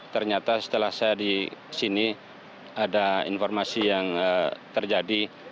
ternyata setelah saya di sini ada informasi yang terjadi